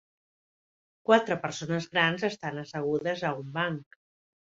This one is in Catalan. Quatre persones grans estan assegudes a un banc.